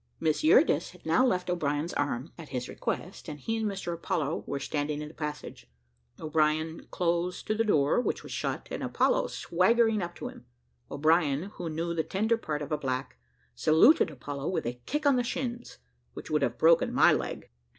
Miss Eurydice had now left O'Brien's arm, at his request, and he and Mr Apollo were standing in the passage, O'Brien close to the door, which was shut, and Apollo swaggering up to him. O'Brien, who knew the tender part of a black, saluted Apollo with a kick on the shins, which would have broken my leg.